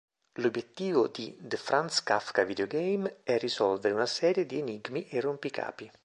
L'obiettivo di "The Franz Kafka Videogame" è risolvere una serie di enigmi e rompicapi.